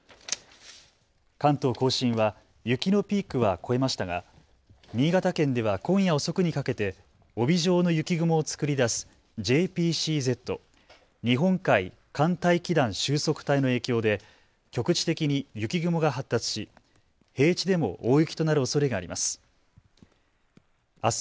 関東甲信は雪のピークは越えましたが新潟県では今夜遅くにかけて帯状の雪雲を作り出すＪＰＣＺ・日本海寒帯気団収束帯の影響で局地的に雪雲が発達し、平地でも大雪となるおそれがあります。